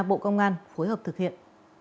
bộ công an phối hợp thực hiện